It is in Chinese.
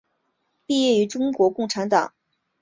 毕业于中国共产党四川省委第二党校哲学专业。